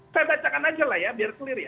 saya bacakan aja lah ya biar clear ya